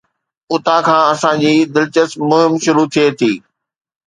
اتان کان اسان جي دلچسپ مهم شروع ٿئي ٿي.